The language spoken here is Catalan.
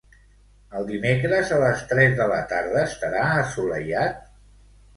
El dimecres a les tres de la tarda estarà assolellat?